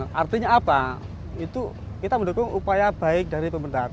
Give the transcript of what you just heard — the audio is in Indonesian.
nah artinya apa itu kita mendukung upaya baik dari pemerintah